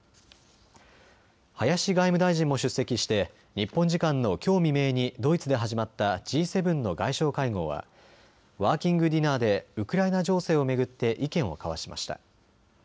林外務大臣も出席して日本時間のきょう未明にドイツで始まったＧ７の外相会合はワーキングディナーでウクライナ情勢を巡って意見を交わしました。